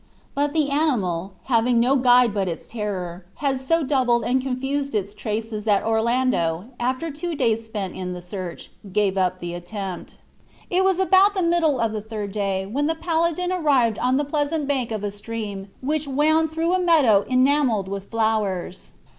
But the animal, having no guide but its terror, had so doubled and confused its traces that Orlando, after two days spent in the search, gave up the attempt. It was about the middle of the third day when the paladin arrived on the pleasant bank of a stream which wound through a meadow enamelled with flowers.